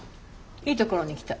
いいところに来た。